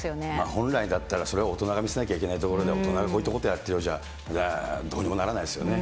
本来だったら、それは大人が見せなきゃいけないところで、大人がこういったことをやっているようじゃ、どうにもならないですよね。